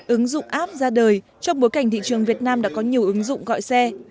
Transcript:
ứng dụng app ra đời trong bối cảnh thị trường việt nam đã có nhiều ứng dụng gọi xe